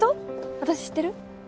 私知ってる？